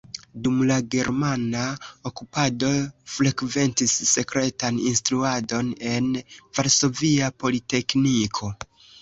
Dum la germana okupado frekventis sekretan instruadon en Varsovia Politekniko.